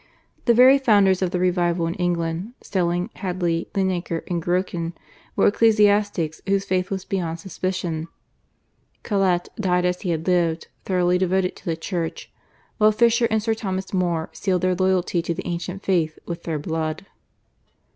The very founders of the revival in England, Selling, Hadley, Linacre and Grocyn, were ecclesiastics whose faith was beyond suspicion; Colet died as he had lived, thoroughly devoted to the Church; while Fisher and Sir Thomas More sealed their loyalty to the ancient faith with their blood.